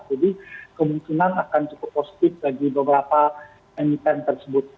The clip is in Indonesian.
jadi kemungkinan akan cukup positif bagi beberapa emiten tersebut